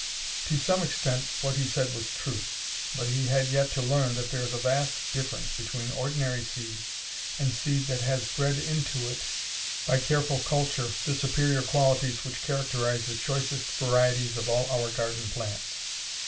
To some extent what he said was true, but he had yet to learn that there is a vast difference between ordinary seed and seed that has bred into it by careful culture the superior qualities which characterize the choicest varieties of all our garden plants.